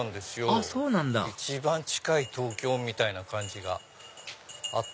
あっそうなんだ一番近い東京みたいな感じがあって。